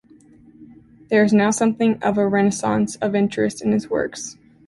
There is now something of a renaissance of interest in his works.